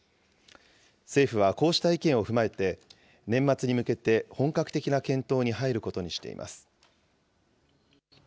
政府はこうした意見を踏まえて、年末に向けて本格的な検討に入ることにしています。